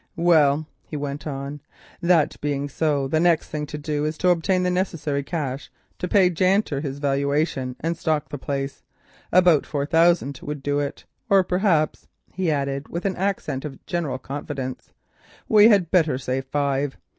"Well," he went on, "that being so, the next thing to do is to obtain the necessary cash to pay Janter his valuation and stock the place—about four thousand would do it, or perhaps," he added, with an access of generous confidence, "we had better say five.